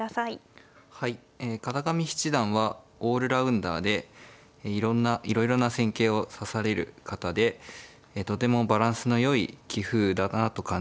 はい片上七段はオールラウンダーでいろんないろいろな戦型を指される方でとてもバランスのよい棋風だなと感じております。